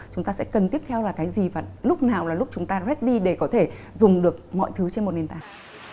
chúng ta sẽ cần tiếp theo là cái gì và lúc nào là lúc chúng ta reddy để có thể dùng được mọi thứ trên một nền tảng